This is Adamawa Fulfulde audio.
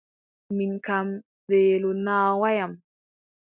Mi kam weelo naawaay am.